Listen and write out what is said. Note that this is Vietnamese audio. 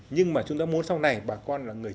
nhưng mà chúng ta muốn sau này bà con là người